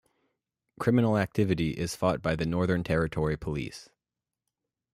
Criminal activity is fought by the Northern Territory Police.